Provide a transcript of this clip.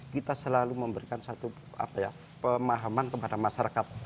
kita selalu memberikan satu pemahaman kepada masyarakat